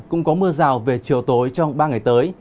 cũng có mưa rào về chiều tối trong ba ngày tới